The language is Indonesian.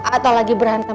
kamu ngerti apa ah